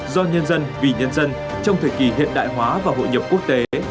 do nhân dân vì nhân dân trong thời kỳ hiện đại hóa và hội nhập quốc tế